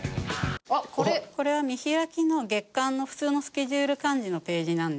これは見開きの月間の普通のスケジュール管理のページなんですけど。